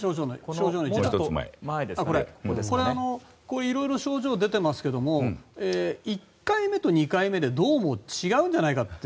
いろいろ症状が出てますけど１回目と２回目でどうも違うんじゃないかって。